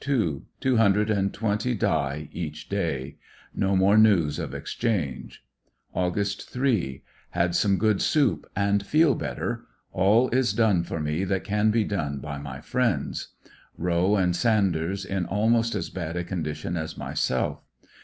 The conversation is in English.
— Two hundred and twenty die each day. Nq more news of exchange. Aug. 3. — Had some good soup, and feel better. All is done for me that can be done by my friends. Kowe and Sanders in almost as bad a condition as myself.